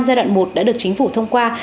giai đoạn một đã được chính phủ thông qua